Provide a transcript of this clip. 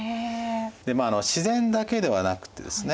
でまあ自然だけではなくてですね